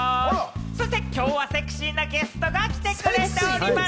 そしてきょうはセクシーなゲストが来てくれております。